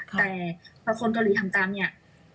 แต่พอคนเกาหลีทำตามเนี่ย